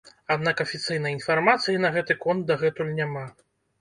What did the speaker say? Аднак афіцыйнай інфармацыі на гэты конт дагэтуль няма.